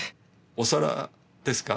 お皿ですか？